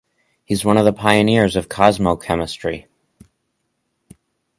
He is one of the pioneers of cosmochemistry.